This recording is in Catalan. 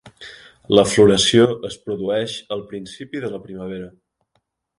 La floració es produeix al principi de la primavera.